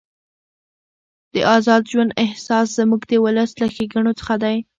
د ازاد ژوند احساس زموږ د ولس له ښېګڼو څخه دی.